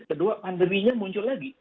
kedua pandeminya muncul lagi